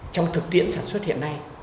trong thực tiễn sản xuất hiện nay